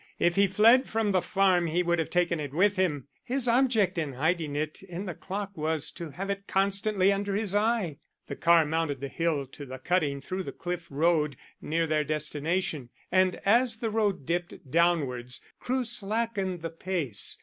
If he fled from the farm he would have taken it with him. His object in hiding it in the clock was to have it constantly under his eye." The car mounted the hill to the cutting through the cliff road near their destination, and as the road dipped downwards Crewe slackened the pace.